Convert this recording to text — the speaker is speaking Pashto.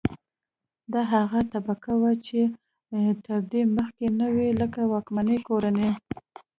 دا هغه طبقې وې چې تر دې مخکې نه وې لکه واکمنې کورنۍ.